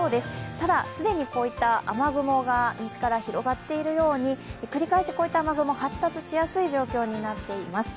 ただ既にこういった雨雲が西から広がっているように、繰り返し、こういった雨雲発達しやすい状況になっています。